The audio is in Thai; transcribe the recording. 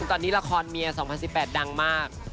ตอนนี้ละครเมีย๒๐๑๘ดังมาก